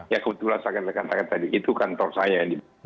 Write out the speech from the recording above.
ya kebetulan saya akan katakan tadi itu kantor saya